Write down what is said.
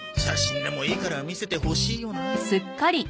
写真でもいいから見せてほしいよな。